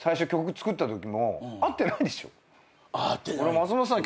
松本さんに？